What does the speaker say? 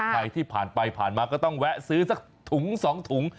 ใครที่ผ่านไปผ่านมาก็ต้องแวะซื้อสักถุง๒ถุง